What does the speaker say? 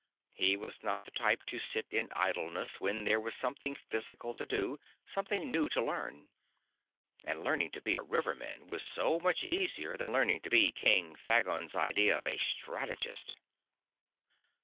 He was not the type to sit in idleness when there was something physical to do, something new to learn. And learning to be a riverman was so much easier than learning to be King Phagon's idea of a strategist!